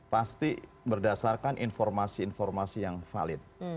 pasti berdasarkan informasi informasi yang valid